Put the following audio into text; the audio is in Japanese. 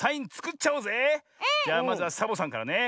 じゃあまずはサボさんからね。